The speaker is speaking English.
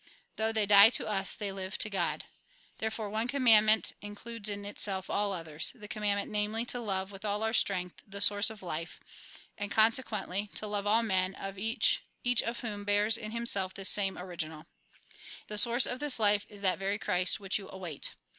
Though they die to us, they live to God. Therefore one commandment includes in itself all others ; the commandment, namely, to love, with all our strength, the source of life ; and conse quently to love all men, each of whom bears in himself this same original." And Jesus said :" This source of life is that very Christ which you await.